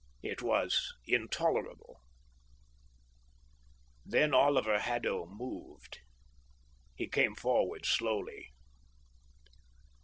It was intolerable. Then Oliver Haddo moved. He came forward slowly.